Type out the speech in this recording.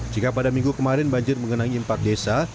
jika pada minggu kemarin banjir mengenangi empat desa